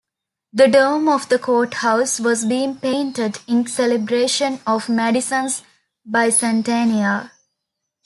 The dome of the courthouse was being painted in celebration of Madison's bicentennial.